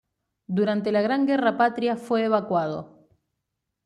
Durante la Gran Guerra Patria fue evacuado.